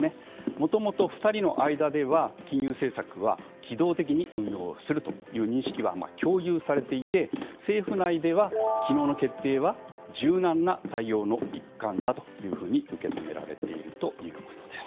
もともと２人の間では金融政策は機動的に運用するという認識は共有されていて政府内では、昨日の決定は柔軟な対応の一環だと受け止められているということです。